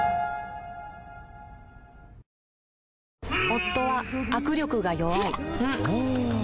夫は握力が弱い